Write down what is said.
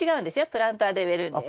プランターで植えるんです。